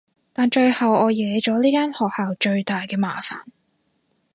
但最後我惹咗呢間學校最大嘅麻煩